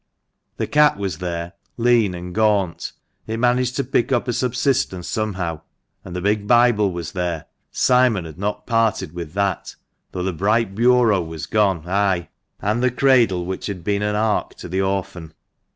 The cat was there, lean and gaunt ; it managed to pick up a subsistence some how ; and the big bible was there — Simon had not parted with that, though the bright bureau was gone, ay, and the cradle which had been an ark to the orphan.